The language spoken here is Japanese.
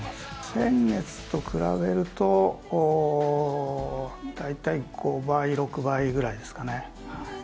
先月と比べると、大体５倍、６倍ぐらいですかね。